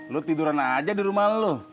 lu tiduran aja di rumah lu